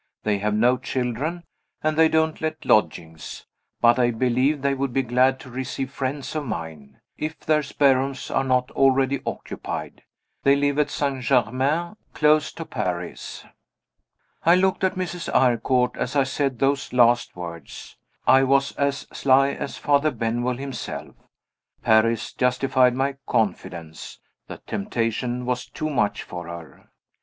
They have no children, and they don't let lodgings; but I believe they would be glad to receive friends of mine, if their spare rooms are not already occupied. They live at St. Germain close to Paris." I looked at Mrs. Eyrecourt as I said those last words I was as sly as Father Benwell himself. Paris justified my confidence: the temptation was too much for her.